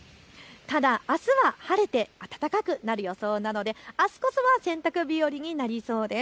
ただあすは晴れて暖かくなる予想なので、あすこそは洗濯日和になりそうです。